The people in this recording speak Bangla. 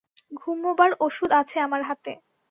ঘুমোবার ওষুধ আছে আমার হাতে।